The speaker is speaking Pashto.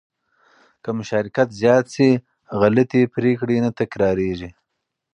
که مشارکت زیات شي، غلطې پرېکړې نه تکرارېږي.